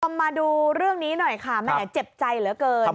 มาดูเรื่องนี้หน่อยค่ะแหมเจ็บใจเหลือเกิน